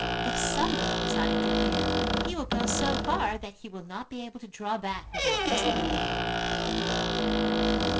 If somebody does not interfere he will go so far that he will not be able to draw back without misbehaving."